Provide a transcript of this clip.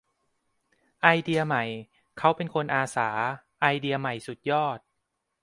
ไอเดียใหม่ เขาเป็นคนอาสา ไอเดียใหม่สุดยอด